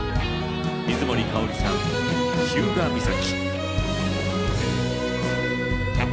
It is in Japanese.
水森かおりさん「日向岬」。